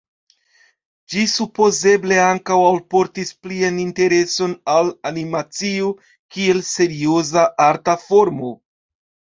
Ĝi supozeble ankaŭ alportis plian intereson al animacio kiel serioza arta formo.